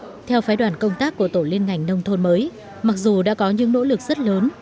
tổng giám y tế đã tạo ra một bản công tác của tổ liên ngành nông thôn mới mặc dù đã có những nỗ lực rất lớn